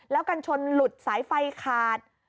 แล้วกันชนหลุดสายไฟขาด